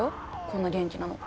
こんな元気なの。